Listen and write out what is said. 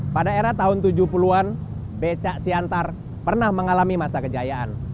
pada era tahun tujuh puluh an becak siantar pernah mengalami masa kejayaan